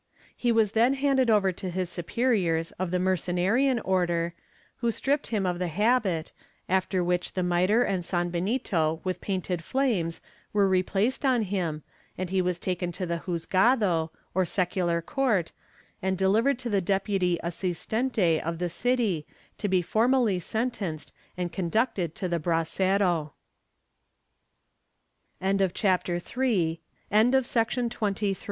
He was then handed over to his superiors of the Mercenarian Order, who stripped him of the habit, after which the mitre and sanbenito with painted flames were replaced on him and he was taken to the juzgado, or secular court, and delivered to the deputy Assistente of the city to be formally sentenced and conducted to the hrasero} * Archive hist, nacional, Inq. de Toledo, L